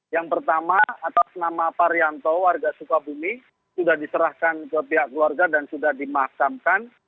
yang pertama atas nama parianto warga sukabumi sudah diserahkan ke pihak keluarga dan sudah dimakamkan